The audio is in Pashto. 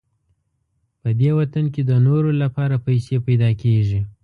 په دې وطن کې د نورو لپاره پیسې پیدا کېږي.